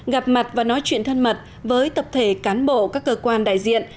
gặp mặt và nói chuyện thân mật với tập thể cán bộ các cơ quan đại diện